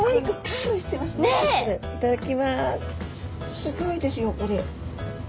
すギョいですよこれ。